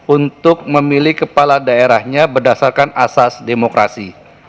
untuk memilih kepala daerahnya berdasarkan asas demokrasi